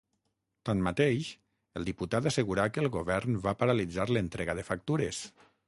Tanmateix, el diputat assegurà que el Govern va paralitzar l'entrega de factures.